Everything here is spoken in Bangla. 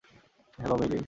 Hello, Meilin.